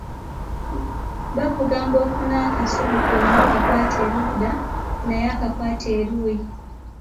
Bakugamba ofune akasubi konna okakwate eludda naye akakwate eluuyi.